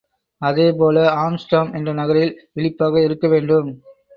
அதே போல ஆம்ஸ்டர்டாம் என்ற நகரில் விழிப்பாக இருக்கவேண்டும்.